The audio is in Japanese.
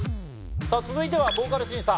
続いてはボーカル審査。